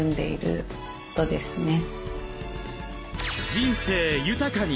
人生豊かに！